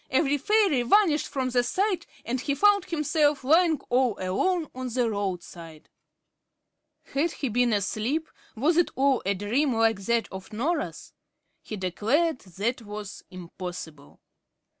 every fairy vanished from sight, and he found himself lying all alone on the roadside. Had he been asleep? was it all a dream, like that of Norah's? He declared that was impossible.